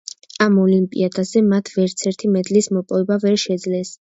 ამ ოლიმპიადაზე მათ ვერცერთი მედლის მოპოვება ვერ შეძლეს.